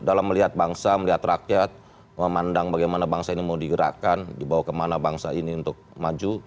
dalam melihat bangsa melihat rakyat memandang bagaimana bangsa ini mau digerakkan dibawa kemana bangsa ini untuk maju